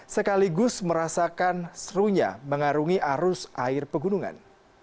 sekaligus merasakan serunya mengarungi arus air pegunungan